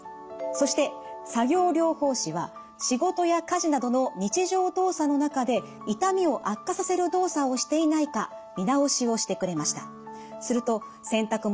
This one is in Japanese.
そして作業療法士は仕事や家事などの日常動作の中で痛みを悪化させる動作をしていないか見直しをしてくれました。